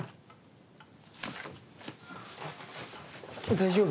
大丈夫？